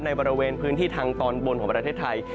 บริเวณพื้นที่ทางตอนบนของประเทศไทย